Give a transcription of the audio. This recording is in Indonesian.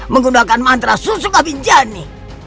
menggunakan mantra susuk abinjani